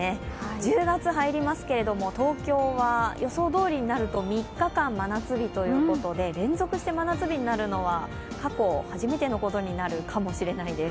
１０月入りますけれども東京は予想どおりになると３日間、真夏日ということで連続して真夏日になるのは過去初めてのことになるかもしれないです。